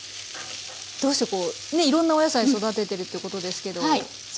どうしてこうねいろんなお野菜育ててるということですけど。